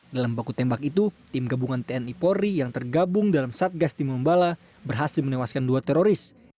dalam baku tembak itu tim gabungan tni polri yang tergabung dalam satgas tinombala berhasil menewaskan dua teroris